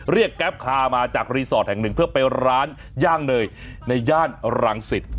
แก๊ปคามาจากรีสอร์ทแห่งหนึ่งเพื่อไปร้านย่างเนยในย่านรังสิต